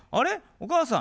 お母さん